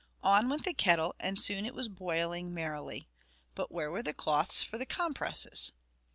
On went the kettle, and soon it was boiling merrily; but where were the cloths for the compresses?